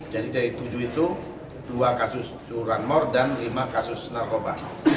jadi dari tujuh itu dua kasus curanmor dan lima kasus narkoba